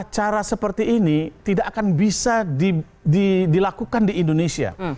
cara seperti ini tidak akan bisa dilakukan di indonesia